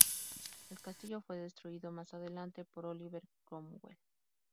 El castillo fue destruido más adelante por Oliver Cromwell.